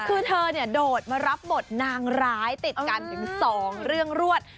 คือเธอเนี่ยโดดมารับบทนางร้ายติดกันถึง๒เรื่องรวด